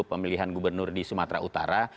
pilihan pilihan gubernur di sumatera utara